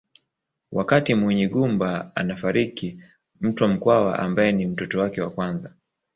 Wakati Munyigumba anafariki Mtwa Mkwawa ambaye ni mtoto wake wa kwanza